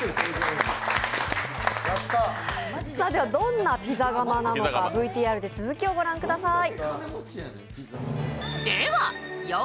どんなピザ窯なのかＶＴＲで続きをご覧ください。